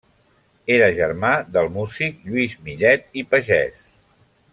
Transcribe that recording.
Era germà del músic Lluís Millet i Pagès.